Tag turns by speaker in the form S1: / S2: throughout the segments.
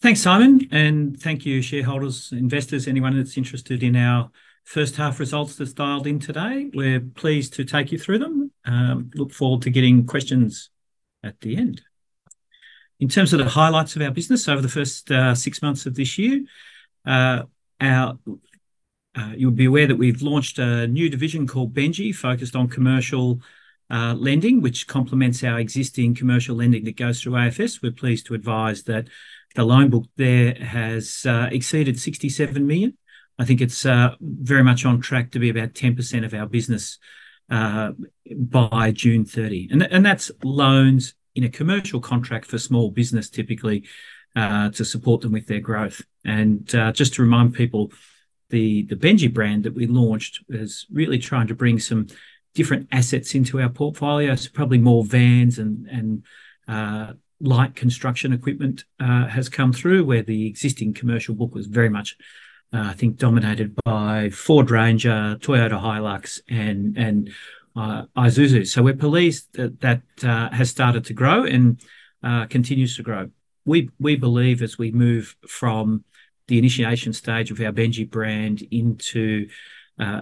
S1: Thanks, Simon, and thank you, shareholders, investors, anyone that's interested in our first half results that's dialed in today. We're pleased to take you through them, look forward to getting questions at the end. In terms of the highlights of our business over the first six months of this year, you'll be aware that we've launched a new division called Bennji, focused on commercial lending, which complements our existing commercial lending that goes through AFS. We're pleased to advise that the loan book there has exceeded 67 million. I think it's very much on track to be about 10% of our business by June 30. That's loans in a commercial contract for small business, typically, to support them with their growth. Just to remind people, the Bennji brand that we launched is really trying to bring some different assets into our portfolio. So probably more vans and light construction equipment has come through, where the existing commercial book was very much, I think, dominated by Ford Ranger, Toyota Hilux, and Isuzu. So we're pleased that that has started to grow and continues to grow. We believe as we move from the initiation stage of our Bennji brand into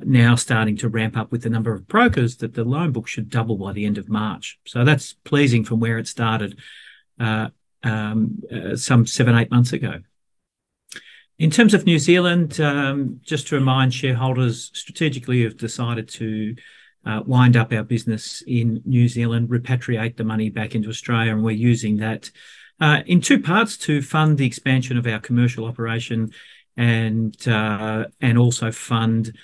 S1: now starting to ramp up with the number of brokers, that the loan book should double by the end of March. So that's pleasing from where it started some seven-eight months ago. In terms of New Zealand, just to remind shareholders strategically have decided to wind up our business in New Zealand, repatriate the money back into Australia, and we're using that in two parts to fund the expansion of our commercial operation and also fund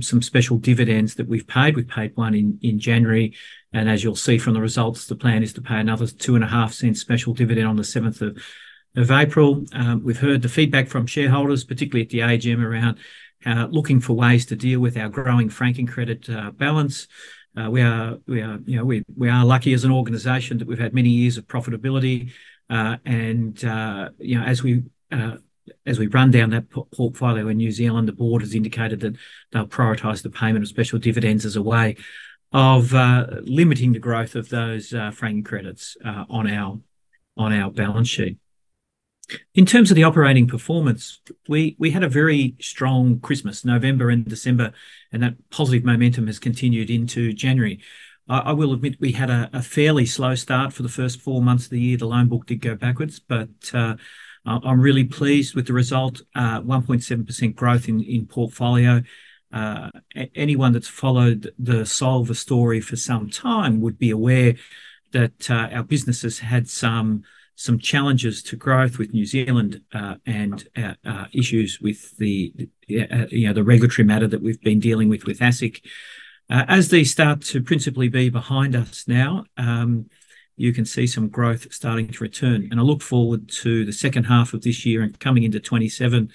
S1: some special dividends that we've paid. We paid one in January, and as you'll see from the results, the plan is to pay another 0.025 special dividend on the seventh of April. We've heard the feedback from shareholders, particularly at the AGM, around looking for ways to deal with our growing franking credit balance. We are, you know, we are lucky as an organization that we've had many years of profitability. You know, as we run down that portfolio in New Zealand, the board has indicated that they'll prioritize the payment of special dividends as a way of limiting the growth of those franking credits on our balance sheet. In terms of the operating performance, we had a very strong Christmas, November and December, and that positive momentum has continued into January. I will admit we had a fairly slow start for the first four months of the year. The loan book did go backwards, but I'm really pleased with the result, 1.7% growth in portfolio. Anyone that's followed the Solvar story for some time would be aware that our business has had some challenges to growth with New Zealand and issues with, you know, the regulatory matter that we've been dealing with with ASIC. As they start to principally be behind us now, you can see some growth starting to return. And I look forward to the second half of this year and coming into 2027,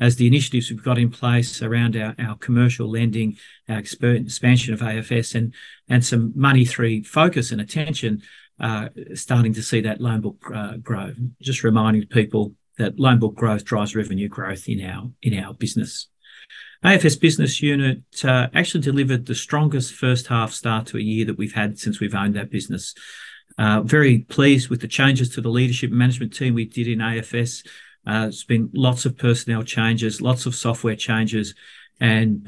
S1: as the initiatives we've got in place around our commercial lending, our expansion of AFS and some Money3 through focus and attention, starting to see that loan book grow. Just reminding people that loan book growth drives revenue growth in our business. AFS business unit, actually delivered the strongest first half start to a year that we've had since we've owned that business. Very pleased with the changes to the leadership management team we did in AFS. There's been lots of personnel changes, lots of software changes, and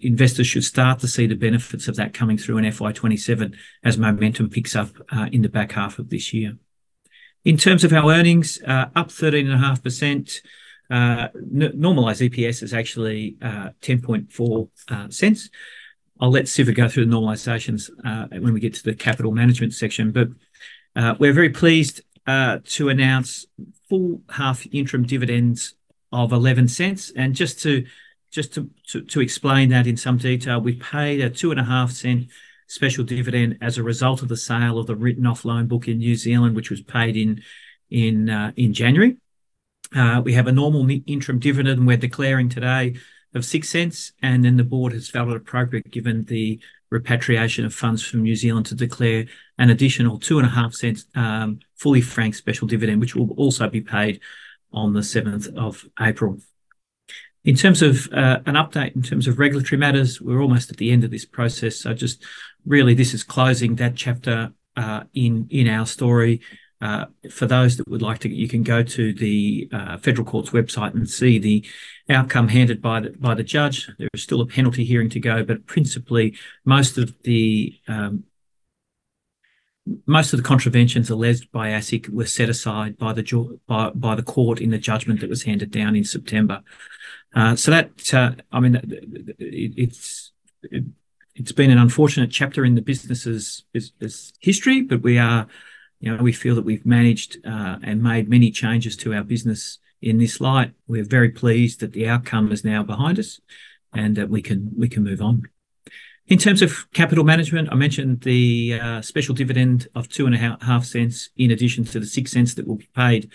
S1: investors should start to see the benefits of that coming through in FY 2027, as momentum picks up, in the back half of this year. In terms of our earnings, up 13.5%, normalized EPS is actually 0.104. I'll let Siva go through the normalizations, when we get to the capital management section. We're very pleased, to announce full half interim dividends of 0.11. Just to explain that in some detail, we paid a 0.025 special dividend as a result of the sale of the written-off loan book in New Zealand, which was paid in January. We have a normal interim dividend, we're declaring today of 0.06, and then the board has felt it appropriate, given the repatriation of funds from New Zealand, to declare an additional 0.025 fully franked special dividend, which will also be paid on the seventh of April. In terms of an update, in terms of regulatory matters, we're almost at the end of this process, so just really this is closing that chapter in our story. For those that would like to, you can go to the Federal Court's website and see the outcome handed by the judge. There is still a penalty hearing to go, but principally, most of the contraventions alleged by ASIC were set aside by the court in the judgment that was handed down in September. So that, I mean, it's been an unfortunate chapter in the business history, but we are, you know, we feel that we've managed and made many changes to our business in this light. We're very pleased that the outcome is now behind us, and that we can move on. In terms of capital management, I mentioned the special dividend of 0.025, in addition to the 0.06 that will be paid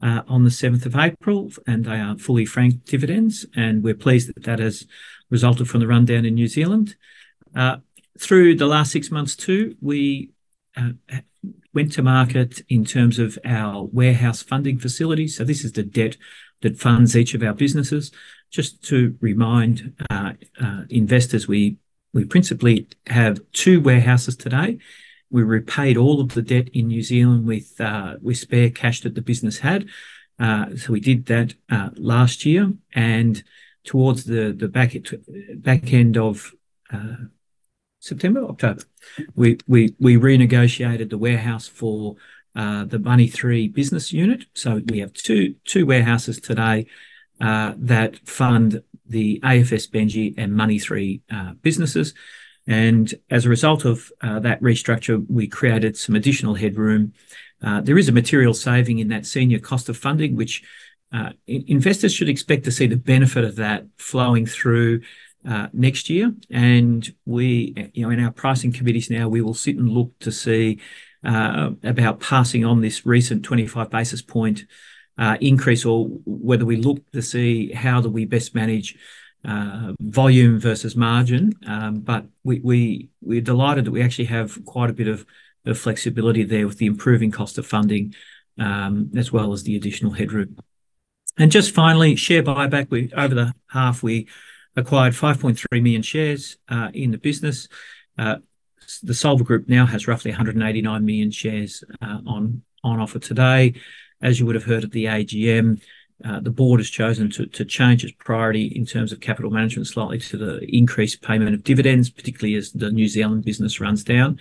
S1: on the seventh of April, and they are fully franked dividends, and we're pleased that that has resulted from the rundown in New Zealand. Through the last six months, too, we went to market in terms of our warehouse funding facility, so this is the debt that funds each of our businesses. Just to remind investors, we principally have two warehouses today. We repaid all of the debt in New Zealand with spare cash that the business had. So we did that last year, and towards the back end of September, October, we renegotiated the warehouse for the Money3 business unit. So we have two, two warehouses today that fund the AFS Bennji and Money3 businesses. And as a result of that restructure, we created some additional headroom. There is a material saving in that senior cost of funding, which investors should expect to see the benefit of that flowing through next year. And we, you know, in our pricing committees now, we will sit and look to see about passing on this recent 25 basis point increase, or whether we look to see how do we best manage volume versus margin. But we, we're delighted that we actually have quite a bit of flexibility there with the improving cost of funding, as well as the additional headroom. And just finally, share buyback. Over the half, we acquired 5.3 million shares in the business. The Solvar Group now has roughly 189 million shares on offer today. As you would have heard at the AGM, the board has chosen to change its priority in terms of capital management slightly to the increased payment of dividends, particularly as the New Zealand business runs down.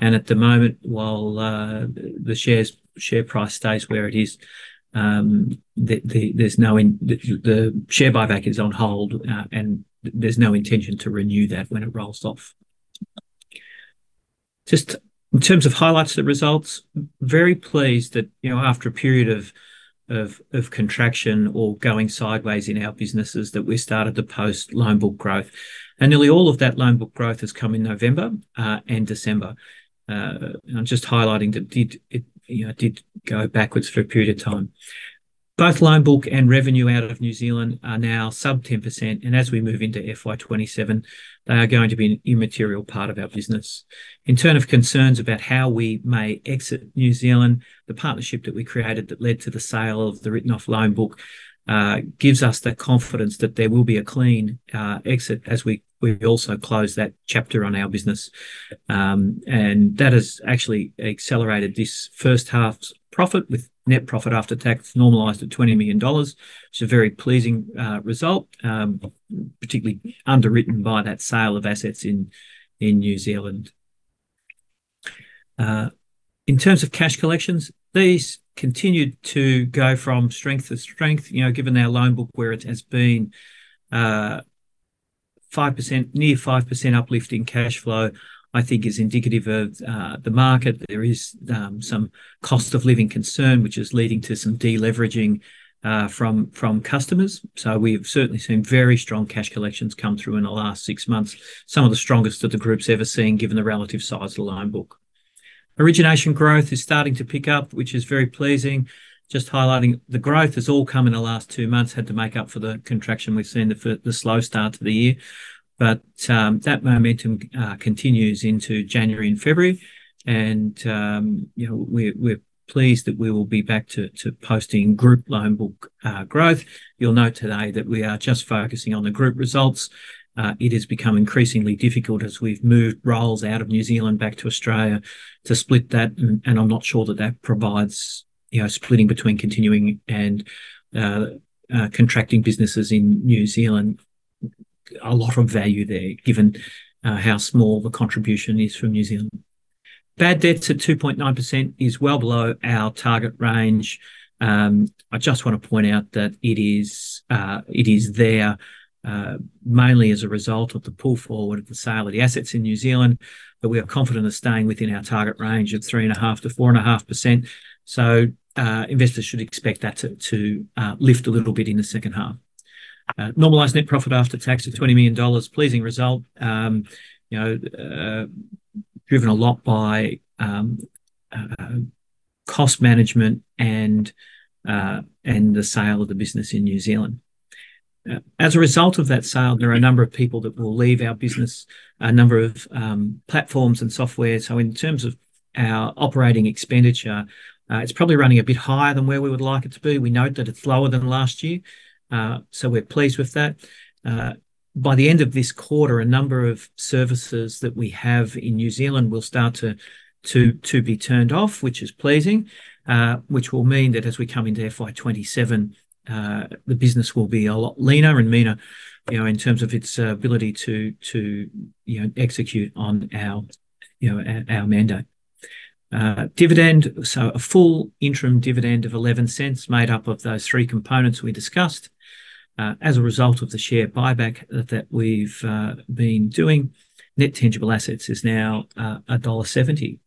S1: At the moment, while the share price stays where it is, the share buyback is on hold, and there's no intention to renew that when it rolls off. Just in terms of highlights of the results, very pleased that, you know, after a period of contraction or going sideways in our businesses, that we started to post loan book growth. Nearly all of that loan book growth has come in November and December. I'm just highlighting that it did, you know, did go backwards for a period of time. Both loan book and revenue out of New Zealand are now sub 10%, and as we move into FY 2027, they are going to be an immaterial part of our business. In terms of concerns about how we may exit New Zealand, the partnership that we created that led to the sale of the written-off loan book gives us the confidence that there will be a clean exit as we also close that chapter on our business. And that has actually accelerated this first half's profit, with net profit after tax normalized at 20 million dollars. It's a very pleasing result, particularly underwritten by that sale of assets in New Zealand. In terms of cash collections, these continued to go from strength to strength, you know, given our loan book, where it has been a 5%, near 5% uplift in cash flow, I think, is indicative of the market. There is some cost of living concern, which is leading to some de-leveraging from customers. So we've certainly seen very strong cash collections come through in the last six months, some of the strongest that the group's ever seen, given the relative size of the loan book. Origination growth is starting to pick up, which is very pleasing. Just highlighting, the growth has all come in the last two months, had to make up for the contraction we've seen at the slow start to the year. But, that momentum continues into January and February, and, you know, we're pleased that we will be back to posting group loan book growth. You'll note today that we are just focusing on the group results. It has become increasingly difficult as we've moved roles out of New Zealand back to Australia to split that, and I'm not sure that that provides, you know, splitting between continuing and contracting businesses in New Zealand, a lot of value there, given how small the contribution is from New Zealand. Bad debts at 2.9% is well below our target range. I just want to point out that it is there, mainly as a result of the pull forward of the sale of the assets in New Zealand, but we are confident of staying within our target range at 3.5%-4.5%. So, investors should expect that to lift a little bit in the second half. Normalized net profit after tax of 20 million dollars, pleasing result, you know, driven a lot by cost management and the sale of the business in New Zealand. As a result of that sale, there are a number of people that will leave our business, a number of platforms and software. So in terms of our operating expenditure, it's probably running a bit higher than where we would like it to be. We note that it's lower than last year, so we're pleased with that. By the end of this quarter, a number of services that we have in New Zealand will start to be turned off, which is pleasing, which will mean that as we come into FY 2027, the business will be a lot leaner and meaner, you know, in terms of its ability to you know execute on our you know our mandate. Dividend, so a full interim dividend of 0.11, made up of those three components we discussed. As a result of the share buyback that we've been doing, net tangible assets is now AUD 1.70.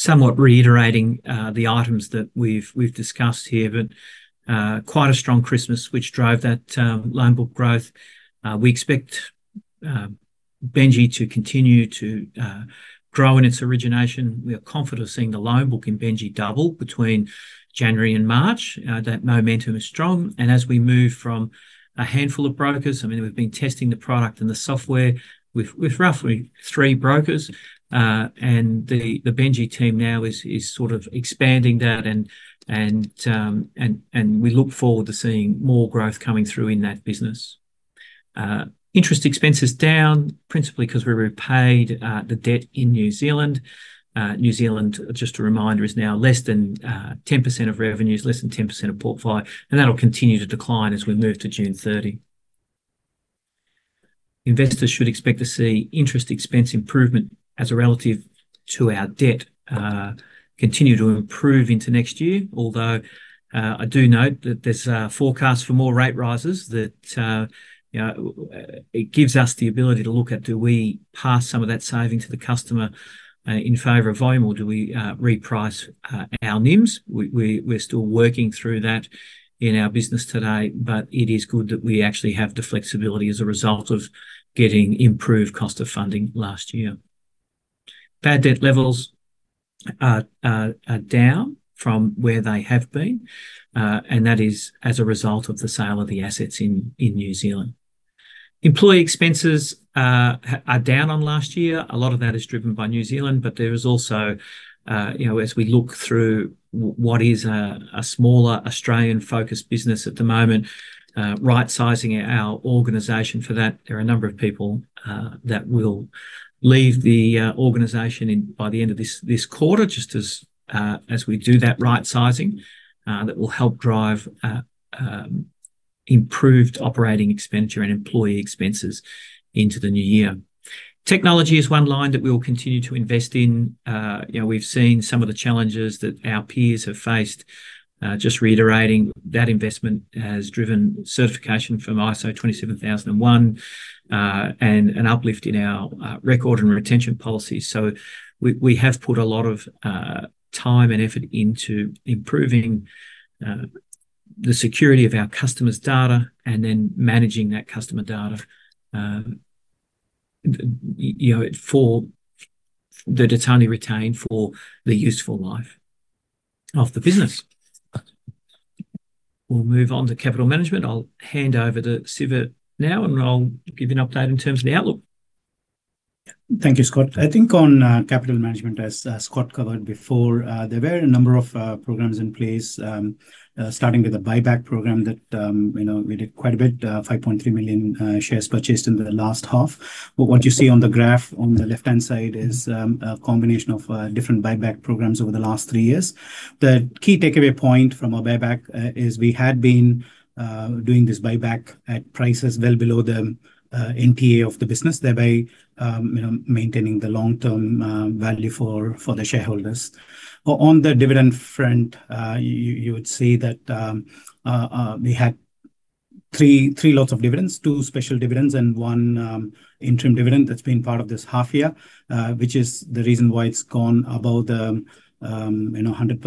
S1: Somewhat reiterating, the items that we've discussed here, but quite a strong Christmas, which drove that loan book growth. We expect Bennji to continue to grow in its origination. We are confident of seeing the loan book in Bennji double between January and March. That momentum is strong, and as we move from a handful of brokers, I mean, we've been testing the product and the software with roughly three brokers. And the Bennji team now is sort of expanding that, and we look forward to seeing more growth coming through in that business... Interest expenses down, principally because we repaid the debt in New Zealand. New Zealand, just a reminder, is now less than 10% of revenues, less than 10% of portfolio, and that'll continue to decline as we move to June 30. Investors should expect to see interest expense improvement as a relative to our debt continue to improve into next year. Although, I do note that there's forecasts for more rate rises that you know it gives us the ability to look at, do we pass some of that saving to the customer in favor of volume, or do we reprice our NIMS? We're still working through that in our business today, but it is good that we actually have the flexibility as a result of getting improved cost of funding last year. Bad debt levels are down from where they have been, and that is as a result of the sale of the assets in New Zealand. Employee expenses are down on last year. A lot of that is driven by New Zealand, but there is also, you know, as we look through what is a smaller Australian-focused business at the moment, right-sizing our organization for that. There are a number of people that will leave the organization by the end of this quarter, just as we do that right-sizing, that will help drive improved operating expenditure and employee expenses into the new year. Technology is one line that we will continue to invest in. You know, we've seen some of the challenges that our peers have faced. Just reiterating, that investment has driven certification from ISO 27001, and an uplift in our record and retention policy. So we have put a lot of time and effort into improving the security of our customers' data, and then managing that customer data, you know, for that it's only retained for the useful life of the business. We'll move on to capital management. I'll hand over to Siva now, and I'll give you an update in terms of the outlook.
S2: Thank you, Scott. I think on capital management, as Scott covered before, there were a number of programs in place, starting with the buyback program that, you know, we did quite a bit, 5.3 million shares purchased in the last half. But what you see on the graph on the left-hand side is a combination of different buyback programs over the last three years. The key takeaway point from our buyback is we had been doing this buyback at prices well below the NTA of the business, thereby, you know, maintaining the long-term value for the shareholders. On the dividend front, you would see that we had three lots of dividends, two special dividends, and one interim dividend that's been part of this half year, which is the reason why it's gone above the, you know, 100%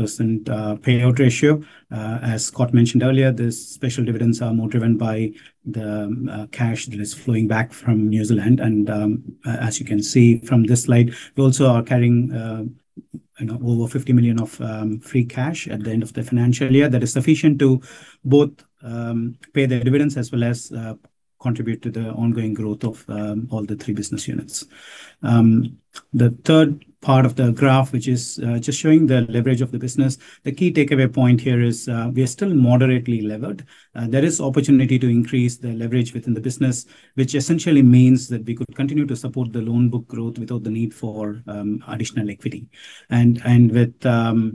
S2: payout ratio. As Scott mentioned earlier, the special dividends are more driven by the cash that is flowing back from New Zealand, and, as you can see from this slide, we also are carrying, you know, over 50 million of free cash at the end of the financial year. That is sufficient to both pay the dividends, as well as contribute to the ongoing growth of all the three business units. The third part of the graph, which is just showing the leverage of the business, the key takeaway point here is we are still moderately levered, and there is opportunity to increase the leverage within the business, which essentially means that we could continue to support the loan book growth without the need for additional equity. And with the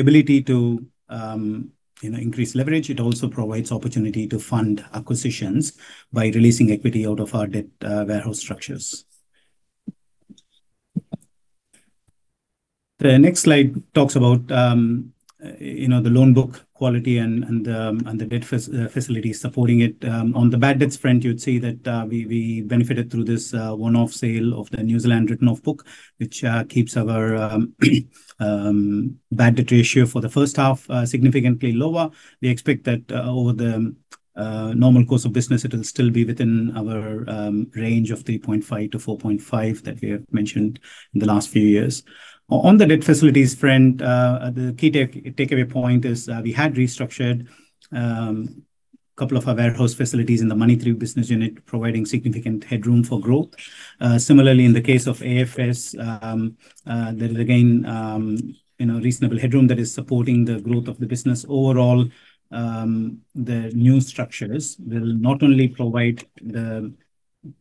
S2: ability to, you know, increase leverage, it also provides opportunity to fund acquisitions by releasing equity out of our debt warehouse structures. The next slide talks about, you know, the loan book quality and the debt facility supporting it. On the bad debts front, you would see that we benefited through this one-off sale of the New Zealand written-off book, which keeps our bad debt ratio for the first half significantly lower. We expect that over the normal course of business, it will still be within our range of 3.5-4.5 that we have mentioned in the last few years. On the debt facilities front, the key takeaway point is that we had restructured a couple of our warehouse facilities in the Money3 business unit, providing significant headroom for growth. Similarly, in the case of AFS, there is again, you know, reasonable headroom that is supporting the growth of the business. Overall, the new structures will not only provide the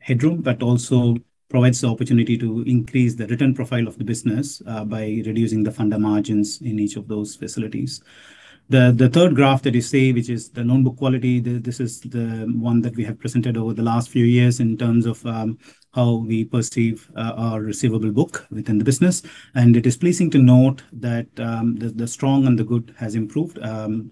S2: headroom, but also provides the opportunity to increase the return profile of the business, by reducing the funder margins in each of those facilities. The third graph that you see, which is the loan book quality. This is the one that we have presented over the last few years in terms of, how we perceive, our receivable book within the business. It is pleasing to note that, the strong and the good has improved,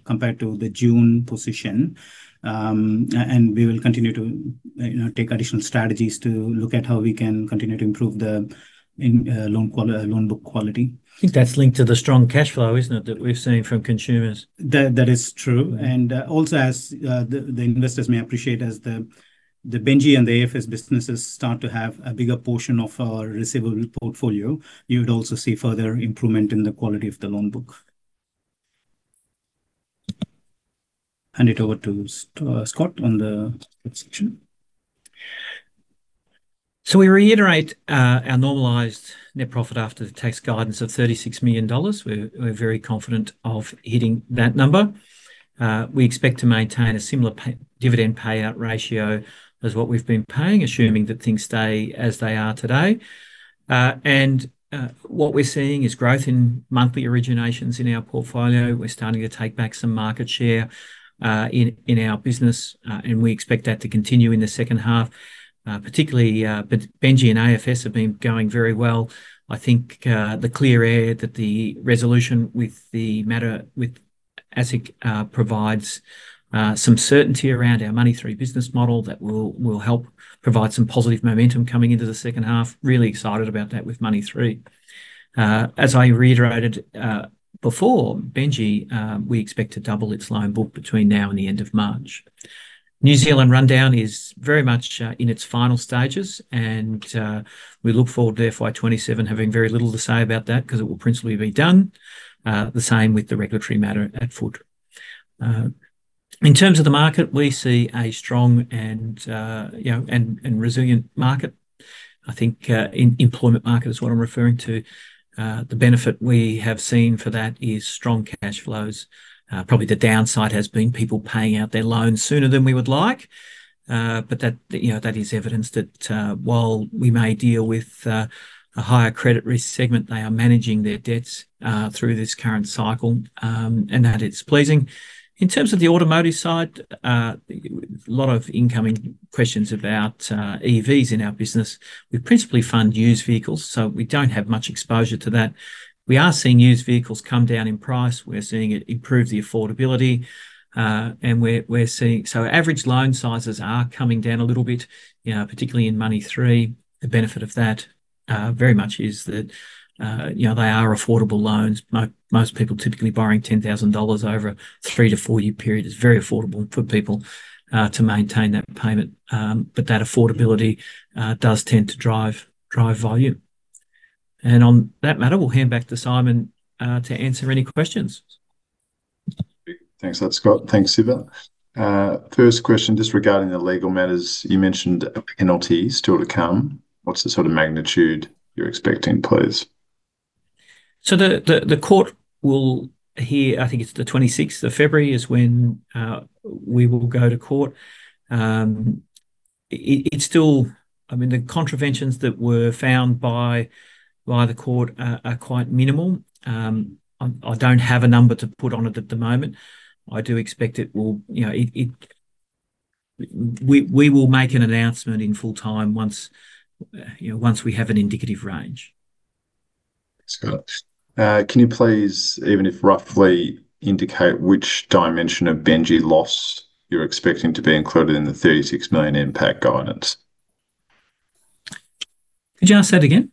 S2: compared to the June position. We will continue to, you know, take additional strategies to look at how we can continue to improve the, loan quality, loan book quality.
S1: I think that's linked to the strong cash flow, isn't it, that we've seen from consumers?
S2: That, that is true. And, also, as the investors may appreciate, as the Bennji and the AFS businesses start to have a bigger portion of our receivable portfolio, you would also see further improvement in the quality of the loan book. Hand it over to Scott, on the next section....
S1: So we reiterate our normalized net profit after tax guidance of 36 million dollars. We're very confident of hitting that number. We expect to maintain a similar dividend payout ratio as what we've been paying, assuming that things stay as they are today. What we're seeing is growth in monthly originations in our portfolio. We're starting to take back some market share in our business, and we expect that to continue in the second half. Particularly, but Bennji and AFS have been going very well. I think the clear air that the resolution with the matter with ASIC provides some certainty around our Money3 business model that will help provide some positive momentum coming into the second half. Really excited about that with Money3. As I reiterated, before, Bennji, we expect to double its loan book between now and the end of March. New Zealand rundown is very much in its final stages, and we look forward to FY 2027 having very little to say about that, 'cause it will principally be done. The same with the regulatory matter at foot. In terms of the market, we see a strong and, you know, resilient market. I think the employment market is what I'm referring to. The benefit we have seen for that is strong cash flows. Probably the downside has been people paying out their loans sooner than we would like, but that, you know, that is evidence that, while we may deal with a higher credit risk segment, they are managing their debts through this current cycle, and that it's pleasing. In terms of the automotive side, a lot of incoming questions about EVs in our business. We principally fund used vehicles, so we don't have much exposure to that. We are seeing used vehicles come down in price. We're seeing it improve the affordability, and we're seeing. So average loan sizes are coming down a little bit, you know, particularly in Money3. The benefit of that, very much is that, you know, they are affordable loans. Most people typically borrowing 10,000 dollars over a three- to four-year period is very affordable for people to maintain that payment. But that affordability does tend to drive volume. On that matter, we'll hand back to Simon to answer any questions.
S3: Thanks for that, Scott. Thanks, Siva. First question, just regarding the legal matters. You mentioned penalties still to come. What's the sort of magnitude you're expecting, please?
S1: So the court will hear, I think it's the February 26th, is when we will go to court. It's still... I mean, the contraventions that were found by the court are quite minimal. I don't have a number to put on it at the moment. I do expect it will... You know, we will make an announcement in full time once, you know, once we have an indicative range.
S3: Scott, can you please, even if roughly, indicate which dimension of Bennji loss you're expecting to be included in the 36 million impact guidance?
S1: Could you ask that again?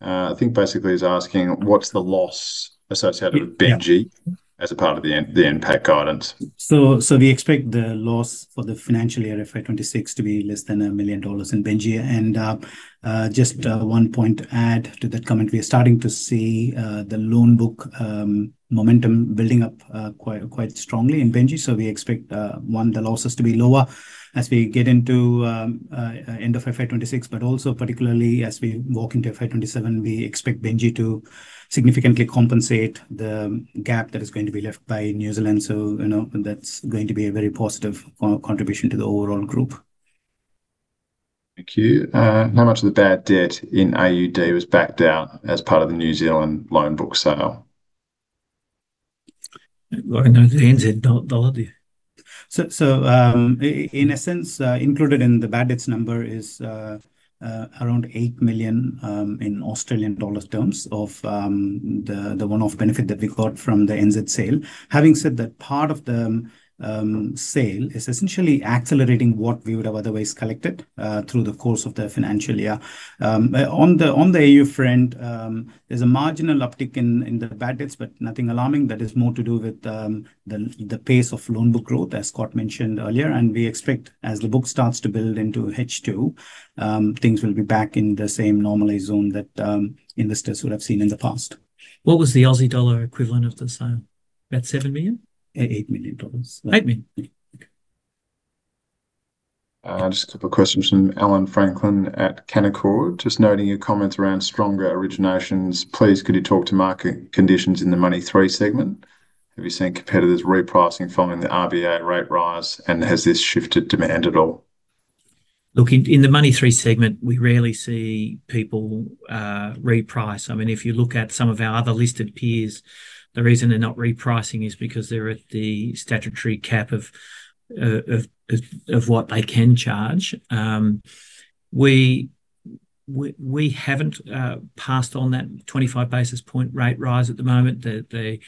S3: I think basically he's asking: What's the loss associated with Bennji-
S1: Yeah ...
S3: as a part of the impact guidance?
S2: So we expect the loss for the financial year, FY 2026, to be less than 1 million dollars in Bennji. And just one point to add to that comment, we are starting to see the loan book momentum building up quite strongly in Bennji. So we expect the losses to be lower as we get into end of FY 2026, but also particularly as we walk into FY 2027, we expect Bennji to significantly compensate the gap that is going to be left by New Zealand. So, you know, that's going to be a very positive contribution to the overall group.
S3: Thank you. How much of the bad debt in AUD was backed out as part of the New Zealand loan book sale?
S1: Well, in the NZ dollar.
S2: In essence, included in the bad debts number is around 8 million in Australian dollar terms of the one-off benefit that we got from the NZ sale. Having said that, part of the sale is essentially accelerating what we would have otherwise collected through the course of the financial year. On the AU front, there's a marginal uptick in the bad debts, but nothing alarming. That is more to do with the pace of loan book growth, as Scott mentioned earlier, and we expect as the book starts to build into H2, things will be back in the same normalized zone that investors would have seen in the past.
S1: What was the Aussie dollar equivalent of the sale? About 7 million?
S2: 8 million dollars.
S1: 8 million.
S3: Just a couple questions from Allan Franklin at Canaccord. Just noting your comments around stronger originations, please, could you talk to market conditions in the Money3 segment? Have you seen competitors repricing following the RBA rate rise, and has this shifted demand at all?
S1: Look, in the Money3 segment, we rarely see people reprice. I mean, if you look at some of our other listed peers, the reason they're not repricing is because they're at the statutory cap of what they can charge. We haven't passed on that 25 basis point rate rise at the moment. The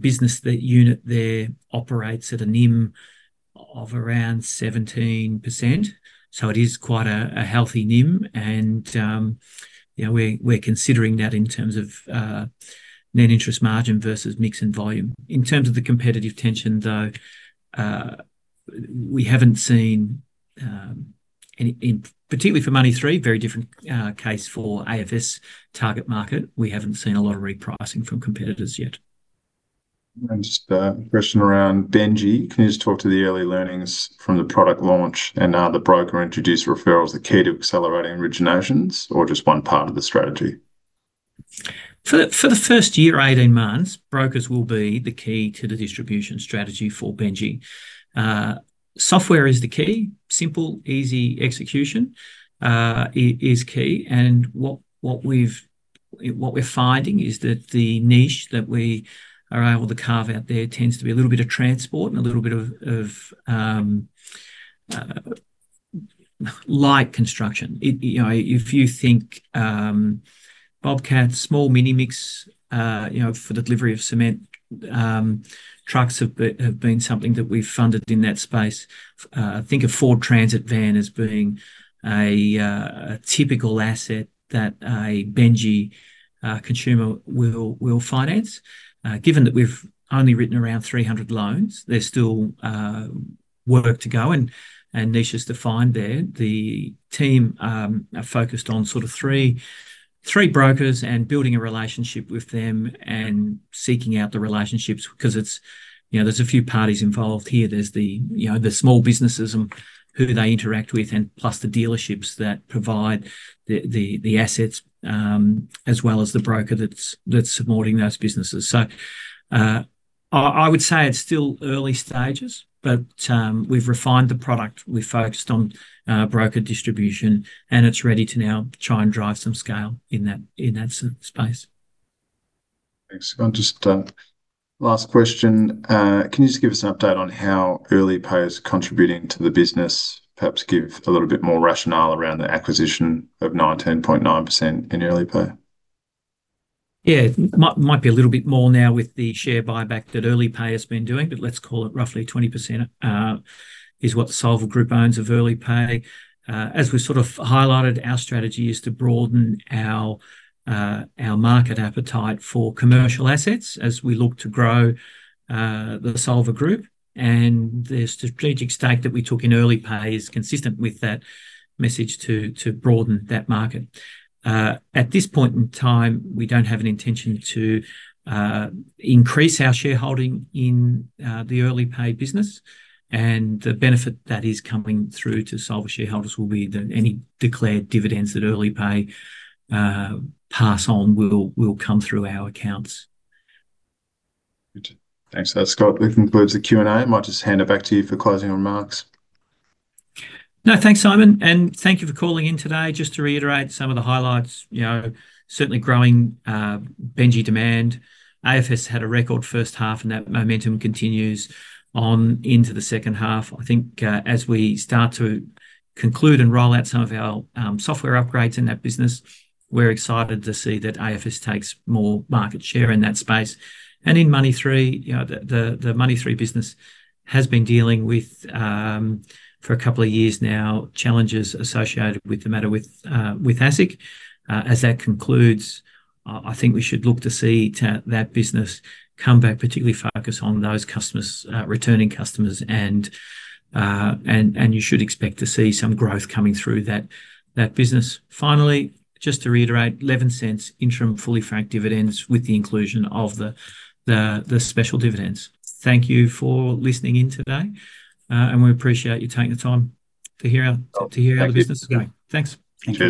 S1: business, that unit there operates at a NIM of around 17%, so it is quite a healthy NIM, and you know, we're considering that in terms of net interest margin versus mix and volume. In terms of the competitive tension, though, we haven't seen particularly for Money3, very different case for AFS target market. We haven't seen a lot of repricing from competitors yet....
S3: Just a question around Bennji. Can you just talk to the early learnings from the product launch, and are the broker-introduced referrals the key to accelerating originations or just one part of the strategy?
S1: For the first year, 18 months, brokers will be the key to the distribution strategy for Bennji. Software is the key. Simple, easy execution is key, and what we're finding is that the niche that we are able to carve out there tends to be a little bit of transport and a little bit of light construction. You know, if you think Bobcat, small mini mix, you know, for the delivery of cement, trucks have been something that we've funded in that space. Think a Ford Transit van as being a typical asset that a Bennji consumer will finance. Given that we've only written around 300 loans, there's still work to go and niches to find there. The team are focused on sort of three brokers and building a relationship with them and seeking out the relationships 'cause it's, you know, there's a few parties involved here. There's the, you know, the small businesses and who they interact with, and plus the dealerships that provide the assets, as well as the broker that's supporting those businesses. So, I would say it's still early stages, but we've refined the product. We've focused on broker distribution, and it's ready to now try and drive some scale in that space.
S3: Thanks, Scott. Just, last question. Can you just give us an update on how Earlypay is contributing to the business? Perhaps give a little bit more rationale around the acquisition of 19.9% in Earlypay.
S1: Yeah. Might be a little bit more now with the share buyback that Earlypay has been doing, but let's call it roughly 20%, is what Solvar Group owns of Earlypay. As we sort of highlighted, our strategy is to broaden our, our market appetite for commercial assets as we look to grow, the Solvar Group, and the strategic stake that we took in Earlypay is consistent with that message to, to broaden that market. At this point in time, we don't have an intention to, increase our shareholding in, the Earlypay business, and the benefit that is coming through to Solvar shareholders will be that any declared dividends that Earlypay, pass on will, will come through our accounts.
S3: Good. Thanks for that, Scott. This concludes the Q&A. I might just hand it back to you for closing remarks.
S1: No, thanks, Simon, and thank you for calling in today. Just to reiterate some of the highlights, you know, certainly growing Bennji demand. AFS had a record first half, and that momentum continues on into the second half. I think, as we start to conclude and roll out some of our software upgrades in that business, we're excited to see that AFS takes more market share in that space. And in Money3, you know, the Money3 business has been dealing with for a couple of years now, challenges associated with the matter with ASIC. As that concludes, I think we should look to see that business come back, particularly focus on those customers, returning customers, and you should expect to see some growth coming through that business. Finally, just to reiterate, 0.11 interim fully franked dividends with the inclusion of the special dividends. Thank you for listening in today, and we appreciate you taking the time to hear our-
S3: Oh...
S1: to hear how the business is going. Thanks. Thank you.